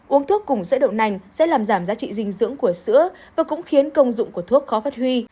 uống thuốc cùng sợi đậu nành sẽ làm giảm giá trị dinh dưỡng của sữa và cũng khiến công dụng của thuốc khó phát huy